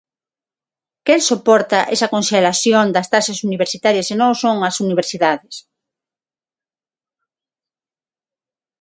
¿Quen soporta esa conxelación das taxas universitarias se non son as universidades?